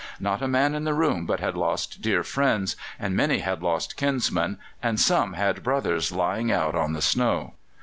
Not a man in the room but had lost dear friends, and many had lost kinsmen, and some had brothers lying out on the snow.